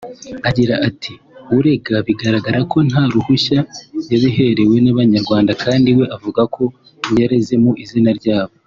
Agira ati "Urega bigaragara ko nta ruhushya yabiherewe n’Abanyarwanda kandi we avuga ko yareze mu izina ryabo